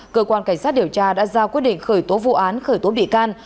cơ quan cảnh sát điều tra đã ra quyết định khởi tố vụ án khởi tố bị can